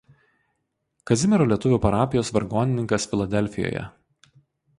Kazimiero lietuvių parapijos vargonininkas Filadelfijoje.